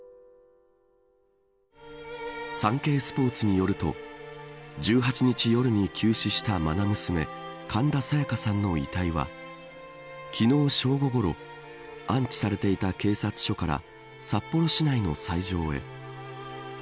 サンケイスポーツによると１８日夜に急死したまな娘神田沙也加さんの遺体は昨日正午ごろ安置されていた警察署から札幌市内の斎場へ。